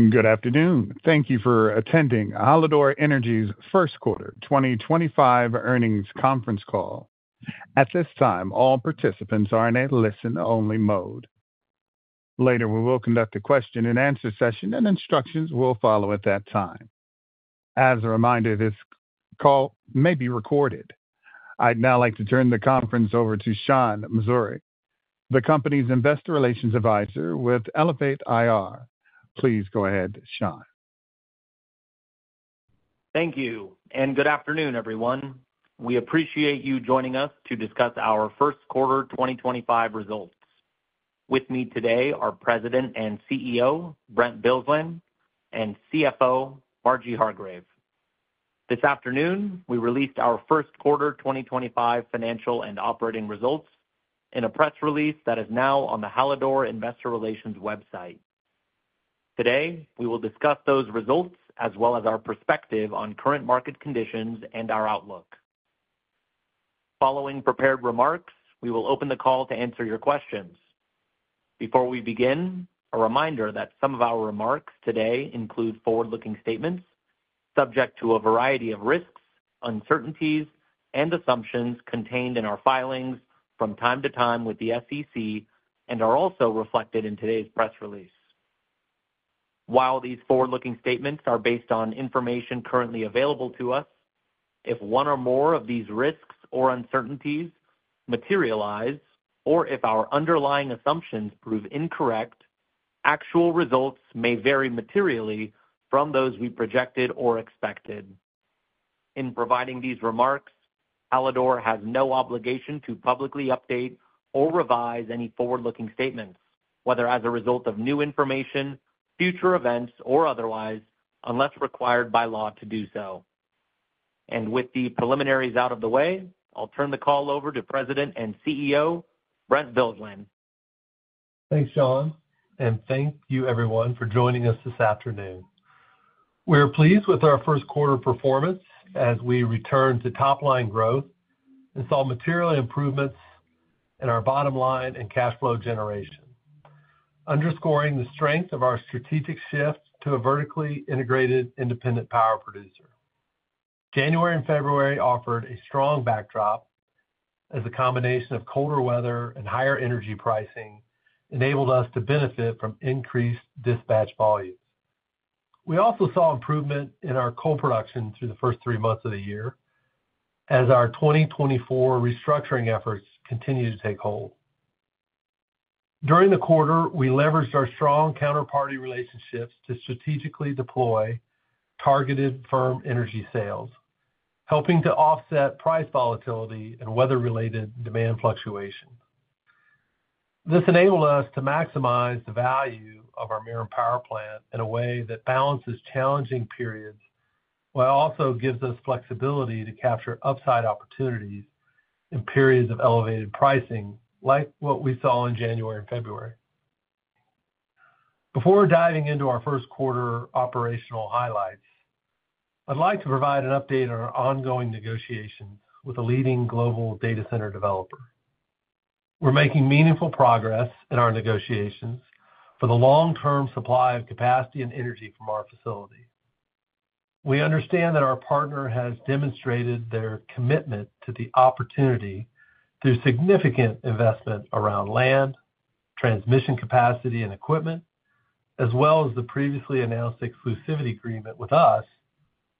Good afternoon. Thank you for attending Hallador Energy's First Quarter 2025 Earnings Conference Call. At this time, all participants are in a listen-only mode. Later, we will conduct a question-and-answer session, and instructions will follow at that time. As a reminder, this call may be recorded. I'd now like to turn the conference over to Sean Mansouri, the company's Investor Relations Advisor with Elevate IR. Please go ahead, Sean. Thank you, and good afternoon, everyone. We appreciate you joining us to discuss our First Quarter 2025 results. With me today are President and CEO Brent Bilsland and CFO Marjorie Hargrave. This afternoon, we released our First Quarter 2025 financial and operating results in a press release that is now on the Hallador Investor Relations website. Today, we will discuss those results as well as our perspective on current market conditions and our outlook. Following prepared remarks, we will open the call to answer your questions. Before we begin, a reminder that some of our remarks today include forward-looking statements subject to a variety of risks, uncertainties, and assumptions contained in our filings from time to time with the SEC and are also reflected in today's press release. While these forward-looking statements are based on information currently available to us, if one or more of these risks or uncertainties materialize, or if our underlying assumptions prove incorrect, actual results may vary materially from those we projected or expected. In providing these remarks, Hallador has no obligation to publicly update or revise any forward-looking statements, whether as a result of new information, future events, or otherwise, unless required by law to do so. With the preliminaries out of the way, I'll turn the call over to President and CEO Brent Bilsland. Thanks, Sean, and thank you, everyone, for joining us this afternoon. We're pleased with our first quarter performance as we return to top-line growth and saw material improvements in our bottom line and cash flow generation, underscoring the strength of our strategic shift to a vertically integrated independent power producer. January and February offered a strong backdrop as a combination of colder weather and higher energy pricing enabled us to benefit from increased dispatch volumes. We also saw improvement in our coal production through the first three months of the year as our 2024 restructuring efforts continued to take hold. During the quarter, we leveraged our strong counterparty relationships to strategically deploy targeted firm energy sales, helping to offset price volatility and weather-related demand fluctuations. This enabled us to maximize the value of our Marine Power Plant in a way that balances challenging periods while also gives us flexibility to capture upside opportunities in periods of elevated pricing, like what we saw in January and February. Before diving into our first quarter operational highlights, I'd like to provide an update on our ongoing negotiations with a leading global data center developer. We're making meaningful progress in our negotiations for the long-term supply of capacity and energy from our facility. We understand that our partner has demonstrated their commitment to the opportunity through significant investment around land, transmission capacity, and equipment, as well as the previously announced exclusivity agreement with us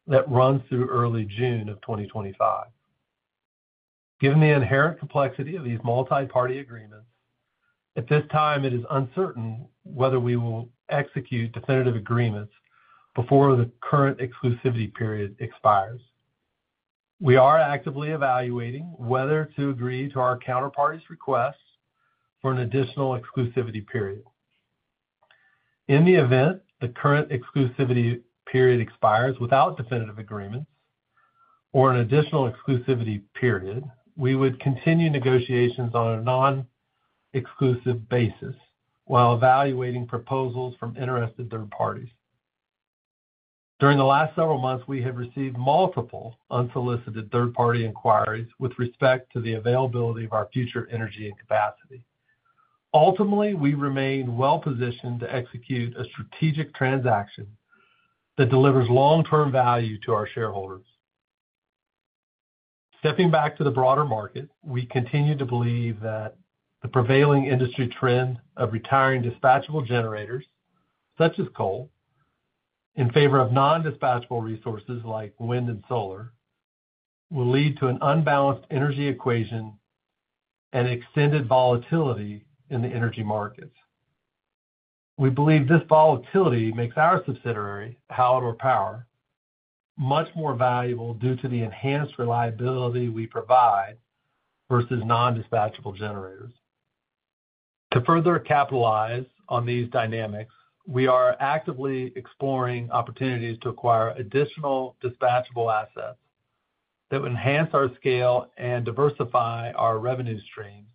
that runs through early June of 2025. Given the inherent complexity of these multi-party agreements, at this time, it is uncertain whether we will execute definitive agreements before the current exclusivity period expires. We are actively evaluating whether to agree to our counterparty's request for an additional exclusivity period. In the event the current exclusivity period expires without definitive agreements or an additional exclusivity period, we would continue negotiations on a non-exclusive basis while evaluating proposals from interested third parties. During the last several months, we have received multiple unsolicited third-party inquiries with respect to the availability of our future energy and capacity. Ultimately, we remain well-positioned to execute a strategic transaction that delivers long-term value to our shareholders. Stepping back to the broader market, we continue to believe that the prevailing industry trend of retiring dispatchable generators, such as coal, in favor of non-dispatchable resources like wind and solar will lead to an unbalanced energy equation and extended volatility in the energy markets. We believe this volatility makes our subsidiary, Hallador Power, much more valuable due to the enhanced reliability we provide versus non-dispatchable generators. To further capitalize on these dynamics, we are actively exploring opportunities to acquire additional dispatchable assets that will enhance our scale and diversify our revenue streams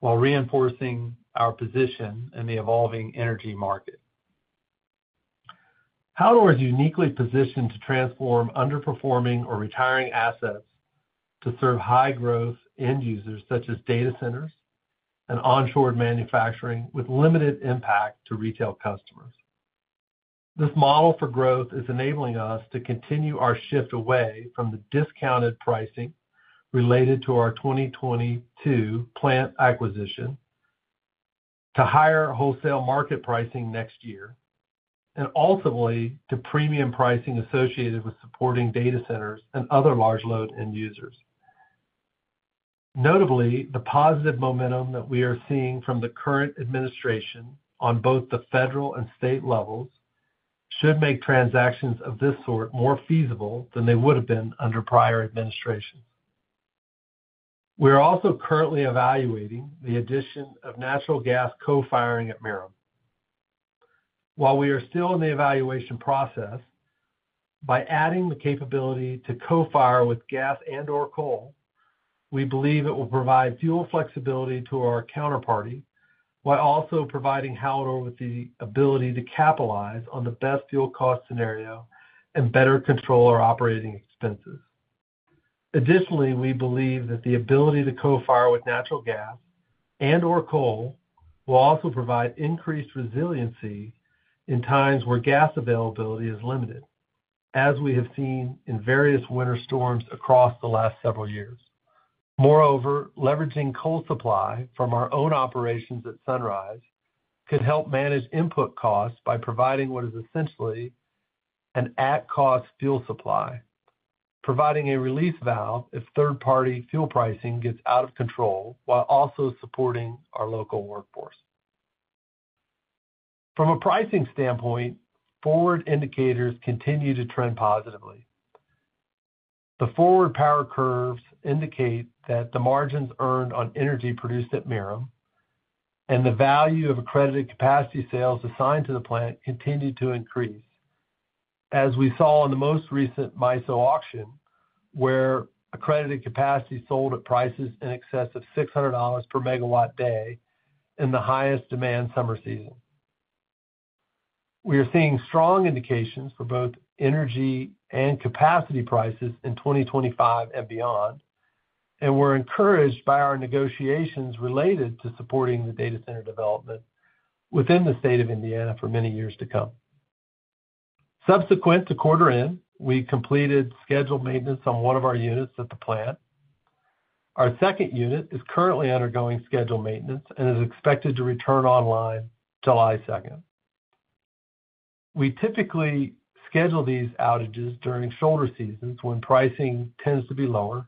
while reinforcing our position in the evolving energy market. Hallador is uniquely positioned to transform underperforming or retiring assets to serve high-growth end users, such as data centers and onshore manufacturing, with limited impact to retail customers. This model for growth is enabling us to continue our shift away from the discounted pricing related to our 2022 plant acquisition to higher wholesale market pricing next year, and ultimately to premium pricing associated with supporting data centers and other large-load end users. Notably, the positive momentum that we are seeing from the current administration on both the federal and state levels should make transactions of this sort more feasible than they would have been under prior administrations. We are also currently evaluating the addition of natural gas co-firing at Marin. While we are still in the evaluation process, by adding the capability to co-fire with gas and/or coal, we believe it will provide fuel flexibility to our counterparty while also providing Hallador with the ability to capitalize on the best fuel cost scenario and better control our operating expenses. Additionally, we believe that the ability to co-fire with natural gas and/or coal will also provide increased resiliency in times where gas availability is limited, as we have seen in various winter storms across the last several years. Moreover, leveraging coal supply from our own operations at Sunrise could help manage input costs by providing what is essentially an at-cost fuel supply, providing a release valve if third-party fuel pricing gets out of control while also supporting our local workforce. From a pricing standpoint, forward indicators continue to trend positively. The forward power curves indicate that the margins earned on energy produced at Marin and the value of accredited capacity sales assigned to the plant continue to increase, as we saw in the most recent MISO auction where accredited capacity sold at prices in excess of $600 per MW day in the highest demand summer season. We are seeing strong indications for both energy and capacity prices in 2025 and beyond, and we're encouraged by our negotiations related to supporting the data center development within the state of Indiana for many years to come. Subsequent to quarter-end, we completed scheduled maintenance on one of our units at the plant. Our second unit is currently undergoing scheduled maintenance and is expected to return online July 2nd. We typically schedule these outages during shoulder seasons when pricing tends to be lower,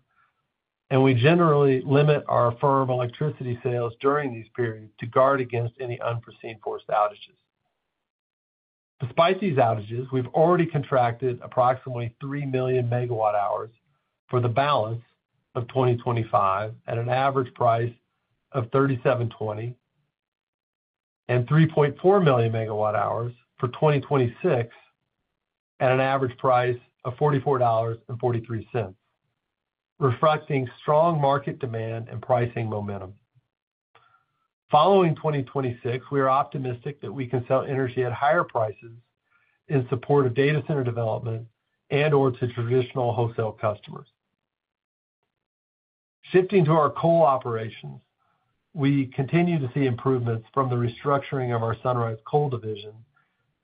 and we generally limit our firm electricity sales during these periods to guard against any unforeseen forced outages. Despite these outages, we've already contracted approximately 3 million MW hours for the balance of 2025 at an average price of $37.20 and 3.4 million MW hours for 2026 at an average price of $44.43, reflecting strong market demand and pricing momentum. Following 2026, we are optimistic that we can sell energy at higher prices in support of data center development and/or to traditional wholesale customers. Shifting to our coal operations, we continue to see improvements from the restructuring of our Sunrise Coal Division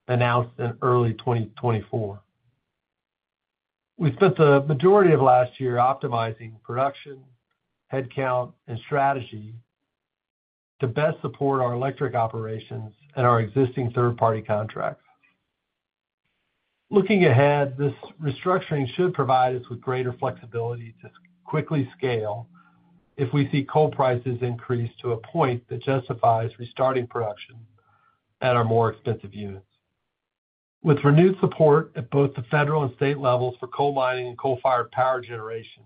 announced in early 2024. We spent the majority of last year optimizing production, headcount, and strategy to best support our electric operations and our existing third-party contracts. Looking ahead, this restructuring should provide us with greater flexibility to quickly scale if we see coal prices increase to a point that justifies restarting production at our more expensive units. With renewed support at both the federal and state levels for coal mining and coal-fired power generation,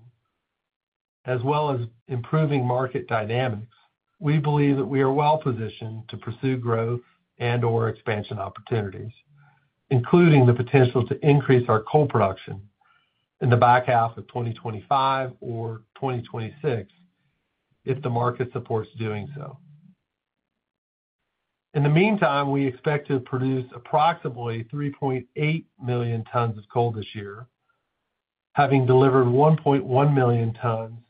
as well as improving market dynamics, we believe that we are well-positioned to pursue growth and/or expansion opportunities, including the potential to increase our coal production in the back half of 2025 or 2026 if the market supports doing so. In the meantime, we expect to produce approximately 3.8 million tons of coal this year, having delivered 1.1 million tons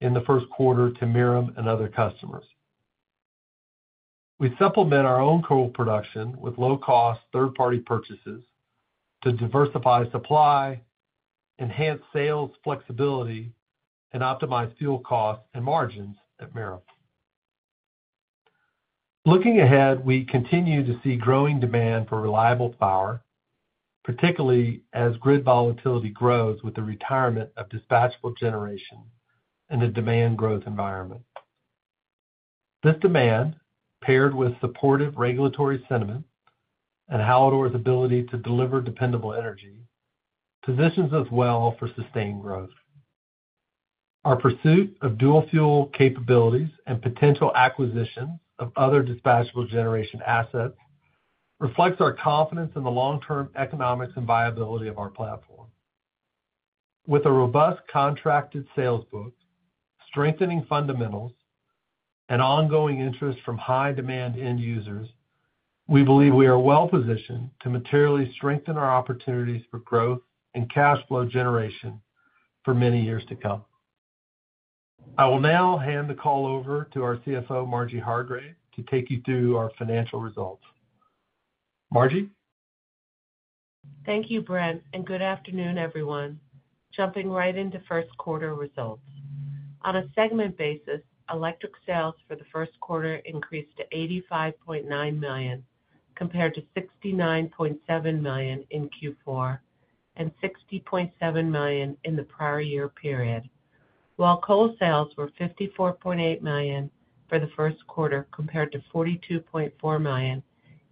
in the first quarter to Marin and other customers. We supplement our own coal production with low-cost third-party purchases to diversify supply, enhance sales flexibility, and optimize fuel costs and margins at Marin. Looking ahead, we continue to see growing demand for reliable power, particularly as grid volatility grows with the retirement of dispatchable generation in a demand-growth environment. This demand, paired with supportive regulatory sentiment and Hallador's ability to deliver dependable energy, positions us well for sustained growth. Our pursuit of dual-fuel capabilities and potential acquisitions of other dispatchable generation assets reflects our confidence in the long-term economics and viability of our platform. With a robust contracted sales book, strengthening fundamentals, and ongoing interest from high-demand end users, we believe we are well-positioned to materially strengthen our opportunities for growth and cash flow generation for many years to come. I will now hand the call over to our CFO, Marjorie Hargrave, to take you through our financial results. Marjorie. Thank you, Brent, and good afternoon, everyone. Jumping right into first quarter results. On a segment basis, electric sales for the first quarter increased to $85.9 million compared to $69.7 million in Q4 and $60.7 million in the prior year period, while coal sales were $54.8 million for the first quarter compared to $42.4 million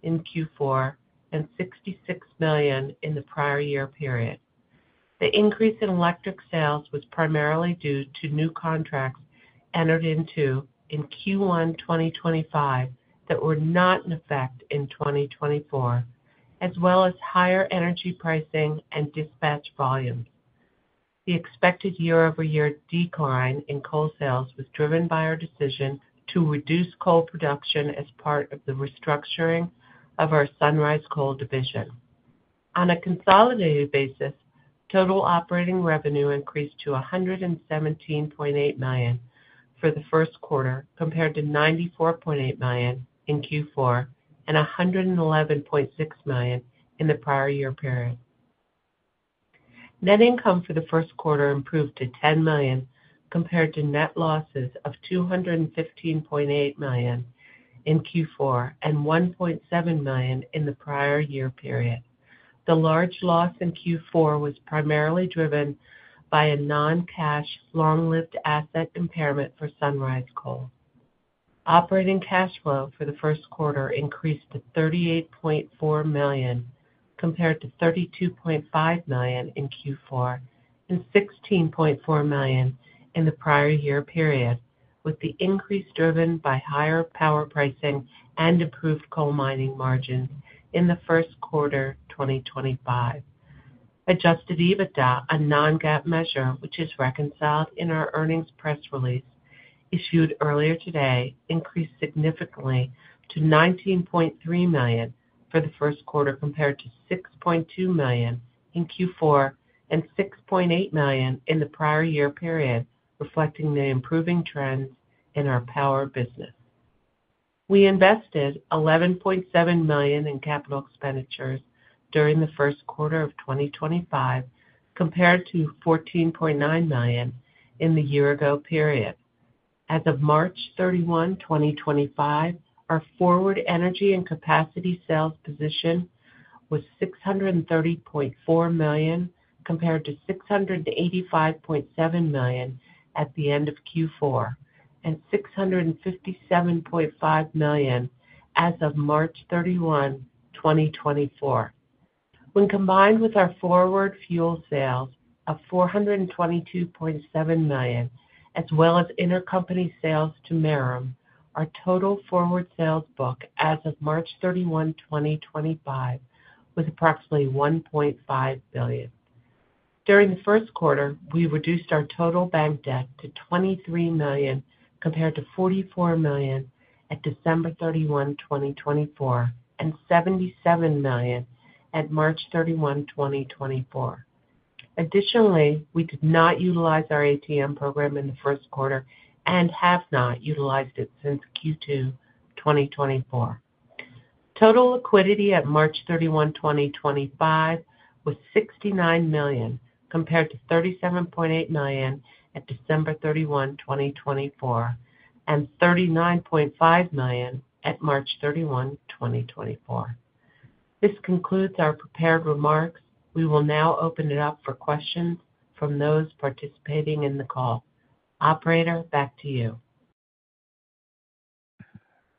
in Q4 and $66 million in the prior year period. The increase in electric sales was primarily due to new contracts entered into in Q1 2025 that were not in effect in 2024, as well as higher energy pricing and dispatch volumes. The expected year-over-year decline in coal sales was driven by our decision to reduce coal production as part of the restructuring of our Sunrise Coal Division. On a consolidated basis, total operating revenue increased to $117.8 million for the first quarter compared to $94.8 million in Q4 and $111.6 million in the prior year period. Net income for the first quarter improved to $10 million compared to net losses of $215.8 million in Q4 and $1.7 million in the prior year period. The large loss in Q4 was primarily driven by a non-cash long-lived asset impairment for Sunrise Coal. Operating cash flow for the first quarter increased to $38.4 million compared to $32.5 million in Q4 and $16.4 million in the prior year period, with the increase driven by higher power pricing and improved coal mining margins in the first quarter 2025. Adjusted EBITDA, a non-GAAP measure which is reconciled in our earnings press release issued earlier today, increased significantly to $19.3 million for the first quarter compared to $6.2 million in Q4 and $6.8 million in the prior year period, reflecting the improving trends in our power business. We invested $11.7 million in capital expenditures during the first quarter of 2025 compared to $14.9 million in the year-ago period. As of March 31, 2025, our forward energy and capacity sales position was $630.4 million compared to $685.7 million at the end of Q4 and $657.5 million as of March 31, 2024. When combined with our forward fuel sales of $422.7 million, as well as intercompany sales to Marin, our total forward sales book as of March 31, 2025, was approximately $1.5 billion. During the first quarter, we reduced our total bank debt to $23 million compared to $44 million at December 31, 2024, and $77 million at March 31, 2024. Additionally, we did not utilize our ATM program in the first quarter and have not utilized it since Q2 2024. Total liquidity at March 31, 2025, was $69 million compared to $37.8 million at December 31, 2024, and $39.5 million at March 31, 2024. This concludes our prepared remarks. We will now open it up for questions from those participating in the call. Operator, back to you.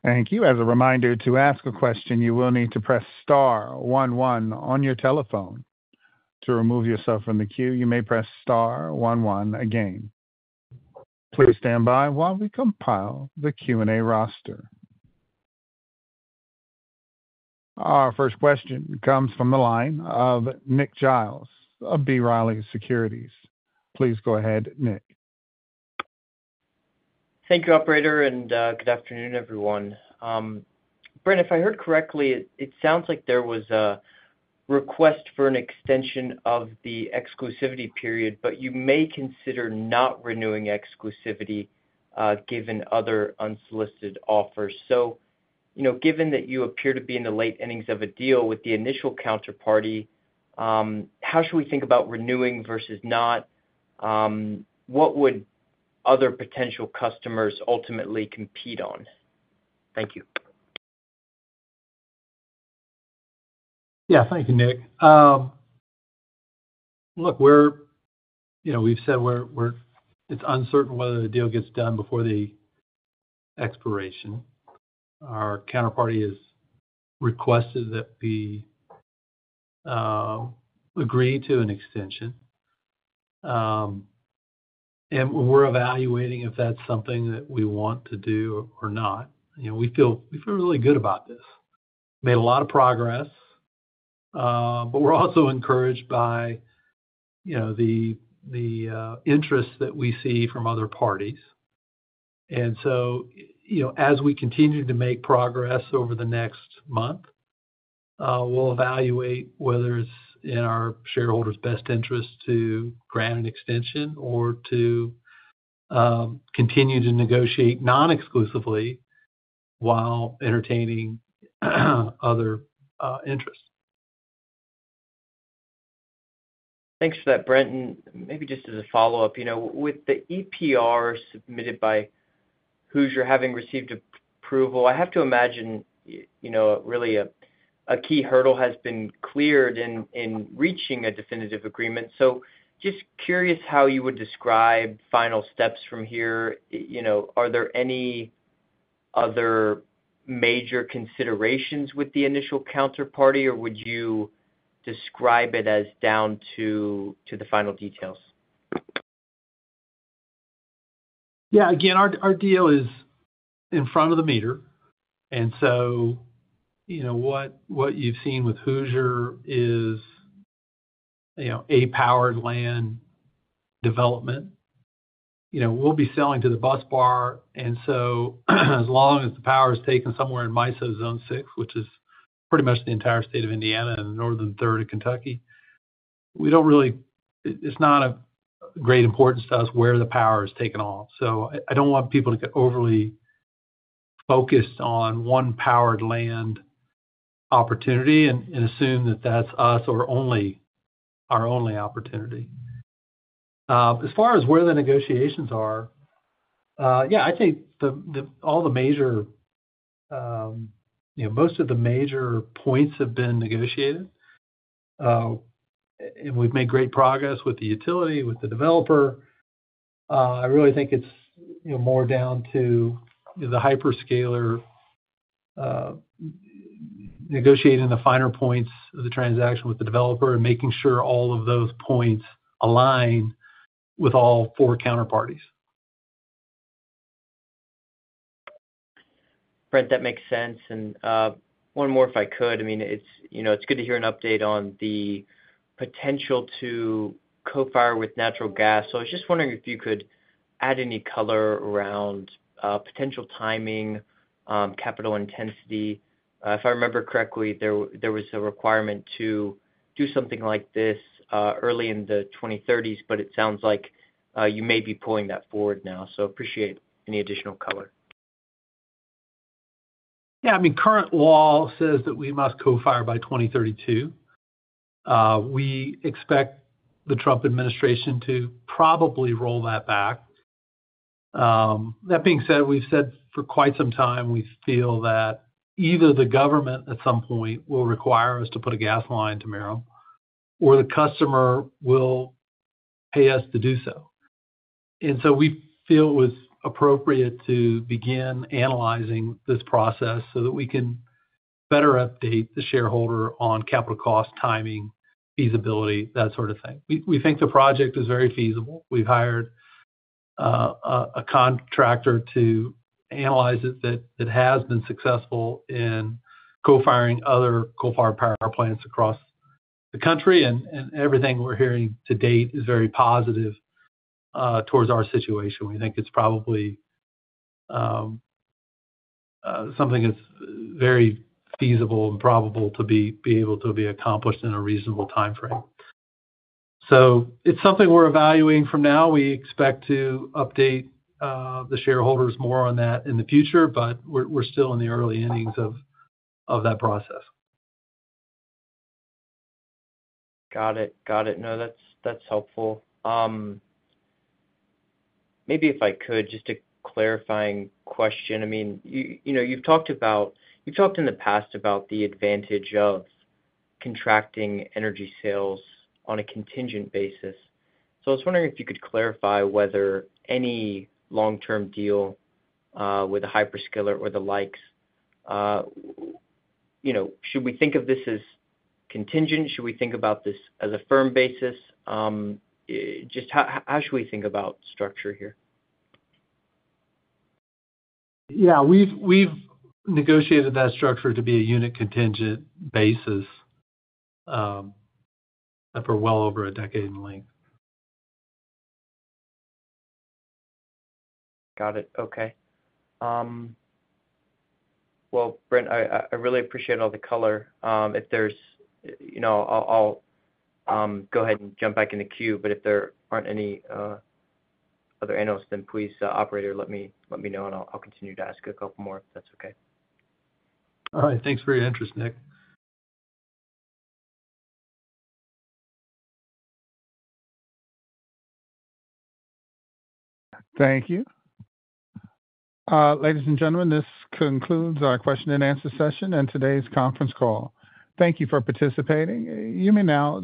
Thank you. As a reminder, to ask a question, you will need to press star one one on your telephone. To remove yourself from the queue, you may press star 1 1 again. Please stand by while we compile the Q&A roster. Our first question comes from the line of Nick Giles, of B. Riley Securities. Please go ahead, Nick. Thank you, Operator, and good afternoon, everyone. Brent, if I heard correctly, it sounds like there was a request for an extension of the exclusivity period, but you may consider not renewing exclusivity given other unsolicited offers. Given that you appear to be in the late endings of a deal with the initial counterparty, how should we think about renewing versus not? What would other potential customers ultimately compete on? Thank you. Yeah, thank you, Nick. Look, we've said it's uncertain whether the deal gets done before the expiration. Our counterparty has requested that we agree to an extension, and we're evaluating if that's something that we want to do or not. We feel really good about this. We made a lot of progress, but we're also encouraged by the interest that we see from other parties. As we continue to make progress over the next month, we'll evaluate whether it's in our shareholders' best interest to grant an extension or to continue to negotiate non-exclusively while entertaining other interests. Thanks for that, Brent. Maybe just as a follow-up, with the EPR submitted by Hoosier having received approval, I have to imagine really a key hurdle has been cleared in reaching a definitive agreement. Just curious how you would describe final steps from here. Are there any other major considerations with the initial counterparty, or would you describe it as down to the final details? Yeah, again, our deal is in front of the meter. What you've seen with Hoosier is a powered land development. We'll be selling to the bus bar. As long as the power is taken somewhere in MISO Zone 6, which is pretty much the entire state of Indiana and the northern third of Kentucky, it's not of great importance to us where the power is taken off. I don't want people to get overly focused on one powered land opportunity and assume that that's our only opportunity. As far as where the negotiations are, yeah, I think most of the major points have been negotiated, and we've made great progress with the utility, with the developer. I really think it's more down to the hyperscaler negotiating the finer points of the transaction with the developer and making sure all of those points align with all four counterparties. Brent, that makes sense. One more, if I could. I mean, it's good to hear an update on the potential to co-fire with natural gas. I was just wondering if you could add any color around potential timing, capital intensity. If I remember correctly, there was a requirement to do something like this early in the 2030s, but it sounds like you may be pulling that forward now. I appreciate any additional color. Yeah, I mean, current law says that we must co-fire by 2032. We expect the Trump administration to probably roll that back. That being said, we've said for quite some time we feel that either the government at some point will require us to put a gas line to Marin or the customer will pay us to do so. We feel it was appropriate to begin analyzing this process so that we can better update the shareholder on capital cost, timing, feasibility, that sort of thing. We think the project is very feasible. We've hired a contractor to analyze it that has been successful in co-firing other coal-fired power plants across the country. Everything we're hearing to date is very positive towards our situation. We think it's probably something that's very feasible and probable to be able to be accomplished in a reasonable time frame. So it's something we're evaluating from now. We expect to update the shareholders more on that in the future, but we're still in the early innings of that process. Got it. Got it. No, that's helpful. Maybe if I could, just a clarifying question. I mean, you've talked in the past about the advantage of contracting energy sales on a contingent basis. I was wondering if you could clarify whether any long-term deal with a hyperscaler or the likes, should we think of this as contingent? Should we think about this as a firm basis? Just how should we think about structure here? Yeah, we've negotiated that structure to be a unit contingent basis for well over a decade in length. Got it. Okay. Brent, I really appreciate all the color. If there's—I'll go ahead and jump back in the queue. If there aren't any other analysts, then please, Operator, let me know, and I'll continue to ask a couple more if that's okay. All right. Thanks for your interest, Nick. Thank you. Ladies and gentlemen, this concludes our question-and-answer session and today's conference call. Thank you for participating. You may now.